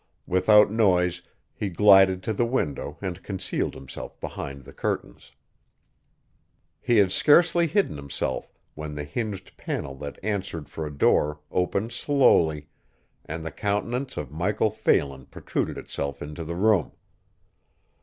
Without noise he glided to the window and concealed himself behind the curtains. He had scarcely hidden himself when the hinged panel that answered for a door opened slowly and the countenance of Michael Phelan protruded itself into the room.